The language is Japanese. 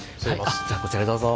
あっじゃあこちらへどうぞ。